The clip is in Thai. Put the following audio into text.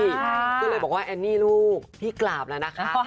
ก็เลยบอกว่าแอนนี่ลูกพี่กราบแล้วนะคะ